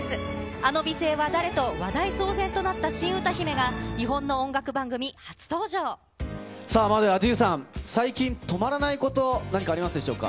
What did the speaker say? あの美声は誰と、話題騒然となった新歌姫が、日本の音楽番組初登さあ、まずａｄｉｅｕさん、最近、止まらないこと、何かありますでしょうか。